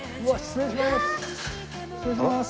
失礼します。